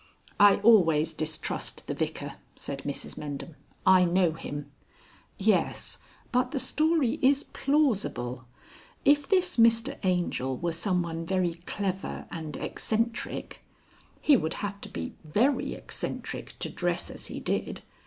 "I always distrust the Vicar," said Mrs Mendham. "I know him." "Yes. But the story is plausible. If this Mr Angel were someone very clever and eccentric " "He would have to be very eccentric to dress as he did.